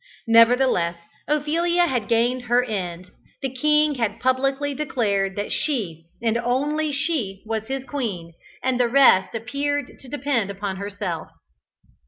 Nevertheless, Ophelia had gained her end: the king had publicly declared that she, and she only, was his queen, and the rest appeared to depend upon herself.